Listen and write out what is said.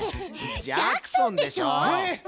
ジャクソンでしょ。